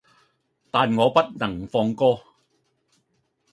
但我不能放歌